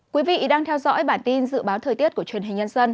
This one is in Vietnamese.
quý vị đang theo dõi bản tin dự báo thời tiết của truyền hình nhân dân